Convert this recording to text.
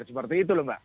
seperti itu loh mbak